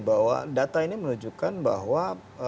bahwa data ini menunjukkan bahwa